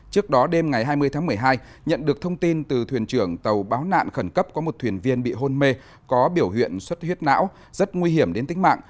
trước đó đêm ngày hai mươi tháng một mươi hai nhận được thông tin từ thuyền trưởng tàu báo nạn khẩn cấp có một thuyền viên bị hôn mê có biểu hiện suất huyết não rất nguy hiểm đến tính mạng